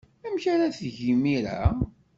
Amek ara teg imir-a?